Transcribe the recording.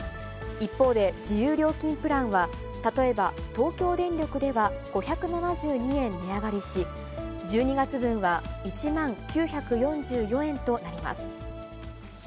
一方で、自由料金プランは、例えば東京電力では５７２円値上がりし、１２月分は１万９４４円となります。